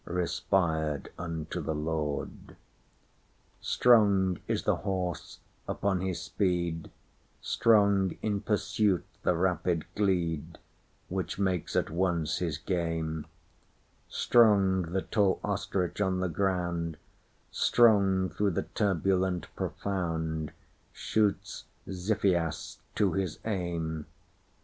Respired unto the Lord.Strong is the horse upon his speed; Strong in pursuit the rapid glede, Which makes at once his game:Strong the tall ostrich on the ground; Strong through the turbulent profoundShoots Xiphias to his aim.